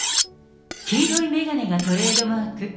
黄色い眼鏡がトレードマーク。